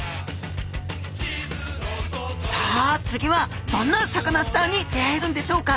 さあ次はどんなサカナスターに出会えるんでしょうか？